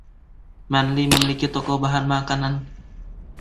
Manly memiliki toko bahan makanan.